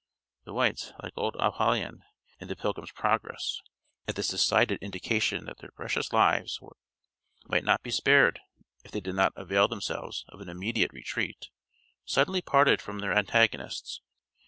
The whites, like old Apollyon in the Pilgrim's Progress, at this decided indication that their precious lives might not be spared if they did not avail themselves of an immediate retreat, suddenly parted from their antagonists.